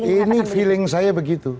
ini feeling saya begitu